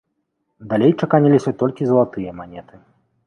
Далей чаканіліся толькі залатыя манеты.